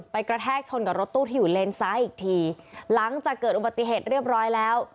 กระแทกชนกับรถตู้ที่อยู่เลนซ้ายอีกทีหลังจากเกิดอุบัติเหตุเรียบร้อยแล้ว